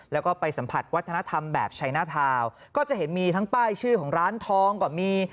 แล้วก็ไปสัมผัสวัฒนธรรมแบบชัยหน้าทาวน์ก็จะเห็นมีทั้งป้ายชื่อของร้านทองก็มี